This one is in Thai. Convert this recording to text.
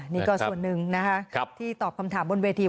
นี่ก็ส่วนหนึ่งนะคะที่ตอบคำถามบนเวที